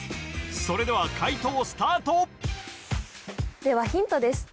それでは解答スタートではヒントです